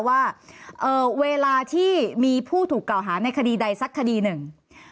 ว่าเวลาที่มีผู้ถูกกล่าวหาในคดีใดสักคดีหนึ่ง